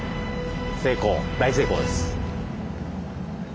成功大成功です！